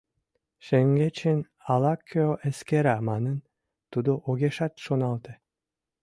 Шеҥгечын ала-кӧ эскера манын тудо огешат шоналте.